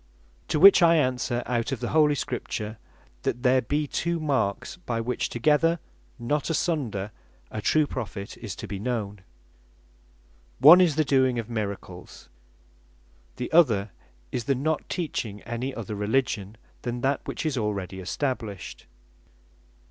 To which I answer out of the Holy Scripture, that there be two marks, by which together, not asunder, a true Prophet is to be known. One is the doing of miracles; the other is the not teaching any other Religion than that which is already established.